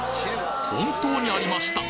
本当にありました！